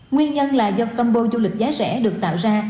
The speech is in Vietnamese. nguyên nhân là do combo du lịch giá rẻ được tạo ra